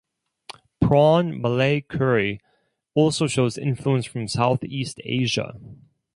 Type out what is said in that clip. Prawn malay curry also shows influence from South East Asia.